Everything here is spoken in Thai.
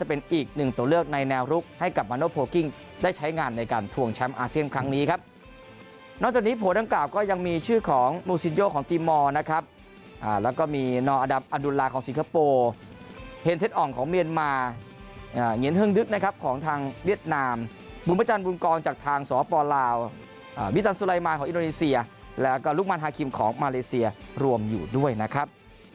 เห็นเทศอ่องของเมียนมาร์เหงียนเฮิ่งดึกของทางเวียดนามบุญพระจันทร์บุญกองจากทางสอปอลาววิทยาลัยมันของอินโรนีเซียและก็ลูกมันฮาคิมของมาเลเซียรวมอยู่ด้วยนะครับ